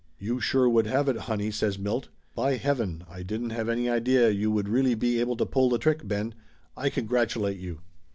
"You sure would have it, honey!" says Milt. "By heaven, I didn't have any idea you would really be able to pull the trick, Ben! I congratulate you!"